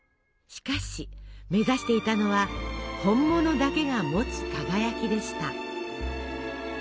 しかし目指していたのは本物だけが持つ輝きでした。